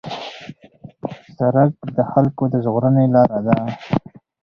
سړک د خلکو د ژغورنې لار ده.